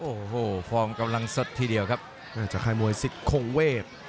โอ้โหฟอร์มกำลังสดทีเดียวครับจากค่ายมวยสิทธงเวท